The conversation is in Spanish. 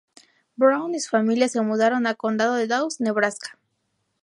Brown y su familia se mudaron a Condado de Dawes, Nebraska.